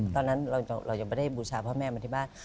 ตอนนั้นเรายังไม่ได้บูชาพ่อแม่มาที่บ้าน